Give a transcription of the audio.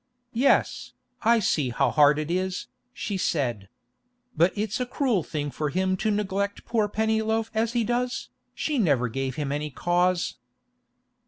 'Yes, I see how hard it is,' she said. 'But it's a cruel thing for him to neglect poor Pennyloaf as he does. She never gave him any cause.